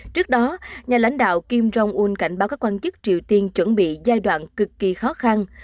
trước đó nhà lãnh đạo kim jong un cảnh báo các quan chức triều tiên chuẩn bị giai đoạn cực kỳ khó khăn